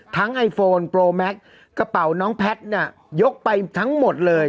ไอโฟนโปรแม็กซ์กระเป๋าน้องแพทย์เนี่ยยกไปทั้งหมดเลย